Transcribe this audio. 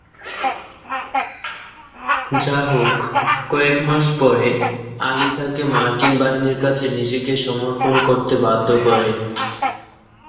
যাহোক, কয়েক মাস পরে, আলী তাকে মার্কিন বাহিনীর কাছে নিজেকে সমর্পণ করতে বাধ্য করে।